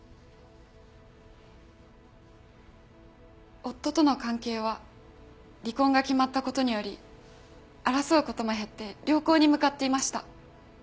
夫との関係は離婚が決まったことにより争うことも減って良好に向かっていました。